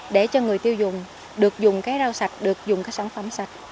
để cho người tiêu dùng được dùng cái rau sạch được dùng cái sản phẩm sạch